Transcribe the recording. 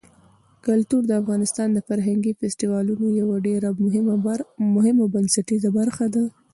کلتور د افغانستان د فرهنګي فستیوالونو یوه ډېره مهمه او بنسټیزه برخه ده.